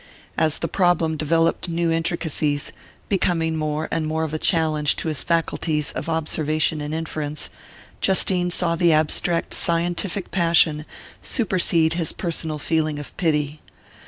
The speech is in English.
As the problem developed new intricacies, becoming more and more of a challenge to his faculties of observation and inference, Justine saw the abstract scientific passion supersede his personal feeling of pity.